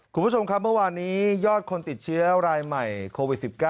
คุณผู้ชมครับเมื่อวานนี้ยอดคนติดเชื้อรายใหม่โควิด๑๙